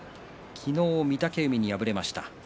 昨日、御嶽海に敗れました。